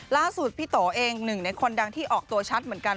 ล่าสุดพี่โตเองหนึ่งในคนดังที่ออกตัวชัดเหมือนกัน